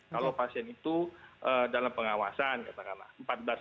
kalau pasien itu dalam pengawasan katakanlah